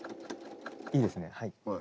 いいですねはい。